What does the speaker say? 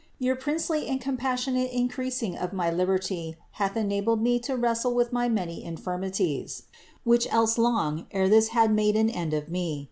Your princely and com passionate increasing of my liberty hath enabled me to wrestle with my many inflrmities, which else long ere this had made an end of me.